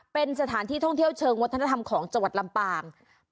เป็นสถานที่ท่องเที่ยวเชิงวัฒนธรรมของจังหวัดลำปาง